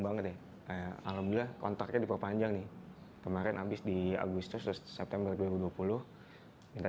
banget ya alhamdulillah kontaknya diperpanjang nih kemarin habis di agustus september dua ribu dua puluh minta